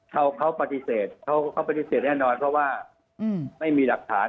เขาปฏิเสธเขาปฏิเสธแน่นอนเพราะว่าไม่มีหลักฐาน